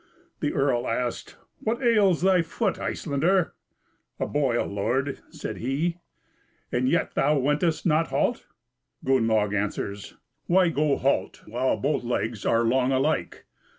The earl asked, "What ails thy foot, Icelander?" "A boil, lord," said he. "And yet thou wentest not halt?" Gunnlaug answers, "Why go halt while both legs are long alike?"